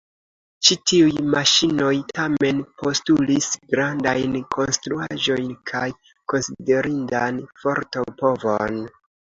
Ĉi tiuj maŝinoj tamen postulis grandajn konstruaĵojn kaj konsiderindan forto-povon.